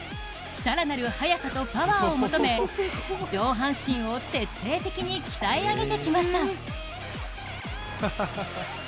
更なる速さとパワーを求め上半身を徹底的に鍛え上げてきました。